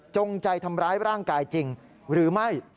จงใจทำร้ายร่างกายจริงหรือไม่